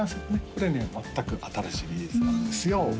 これね全く新しい技術なんですよ